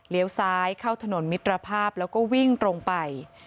ซ้ายเข้าถนนมิตรภาพแล้วก็วิ่งตรงไป